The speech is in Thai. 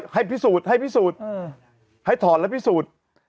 ให้พิสูจน์ให้พิสูจน์ให้ถอดและพิสูจน์